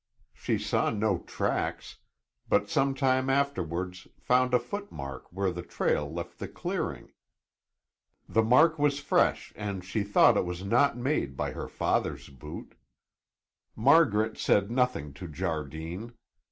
She saw no tracks, but some time afterwards found a footmark where the trail left the clearing. The mark was fresh and she thought it was not made by her father's boot. Margaret said nothing to Jardine.